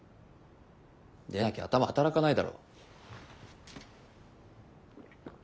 でなきゃ頭働かないだろ。